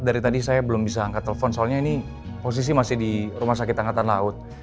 dari tadi saya belum bisa angkat telepon soalnya ini posisi masih di rumah sakit angkatan laut